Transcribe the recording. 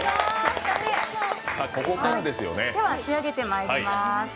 では、仕上げてまいります。